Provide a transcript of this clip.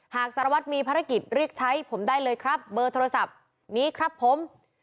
สารวัตรมีภารกิจเรียกใช้ผมได้เลยครับเบอร์โทรศัพท์นี้ครับผม